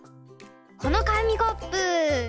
このかみコップ。